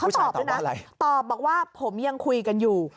ผู้ชายตอบว่าอะไรตอบด้วยนะตอบบอกว่าผมยังคุยกันอยู่